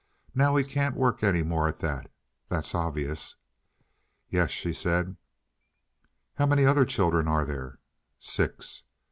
Now he can't work any more at that, that's obvious." "Yes," she said. "How many other children are there?" "Six."